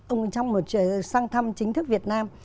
ông trong một sang thăm chính thức việt nam